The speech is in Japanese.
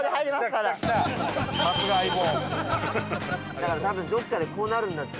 だから多分どこかでこうなるんだって。